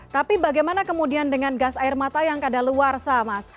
tapi bagaimana kemudian dengan gas air mata yang kadaluarsa mas